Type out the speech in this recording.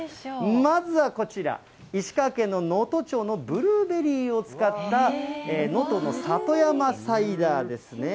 まずはこちら、石川県の能登町のブルーベリーを使った、能登の里山サイダーですね。